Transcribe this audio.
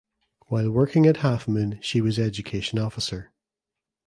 While working at Half Moon she was Education Officer.